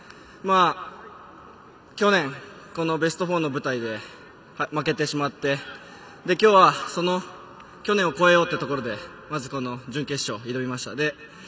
去年このベスト４の舞台で負けてしまって今日は、その去年を超えようというところでまず、この準決勝に挑みました。